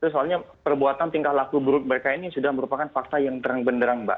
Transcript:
soalnya perbuatan tingkah laku buruk mereka ini sudah merupakan fakta yang terang benderang mbak